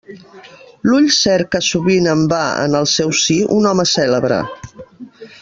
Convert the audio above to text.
L'ull cerca sovint en va en el seu si un home cèlebre.